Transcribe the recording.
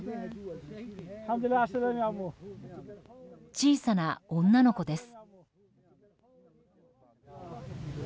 小さな女の子です。